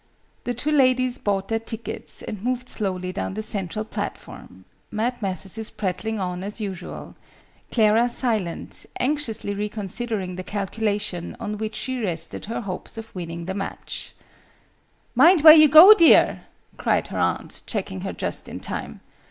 The two ladies bought their tickets and moved slowly down the central platform, Mad Mathesis prattling on as usual Clara silent, anxiously reconsidering the calculation on which she rested her hopes of winning the match. "Mind where you go, dear!" cried her aunt, checking her just in time.